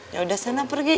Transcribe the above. yaudah sana pergi